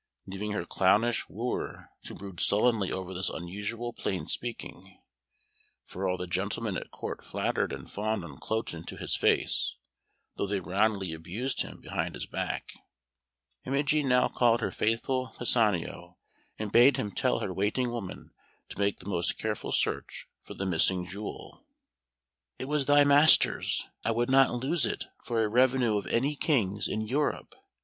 Leaving her clownish wooer to brood sullenly over this unusual plain speaking (for all the gentlemen at Court flattered and fawned on Cloten to his face, though they roundly abused him behind his back), Imogen now called her faithful Pisanio, and bade him tell her waiting woman to make the most careful search for the missing jewel. "It was thy master's; I would not lose it for a revenue of any King's in Europe.